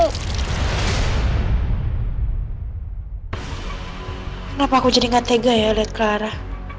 kenapa aku jadi gak tega ya liat ke arah